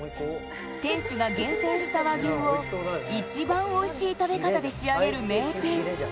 店主が厳選した和牛を一番おいしい食べ方で仕上げる名店。